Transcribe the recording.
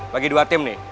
bagi dua tim nih